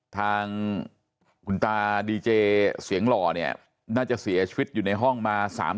ทางคุณตาดีเจเสียงหล่อเนี่ยน่าจะเสียชีวิตอยู่ในห้องมา๓๐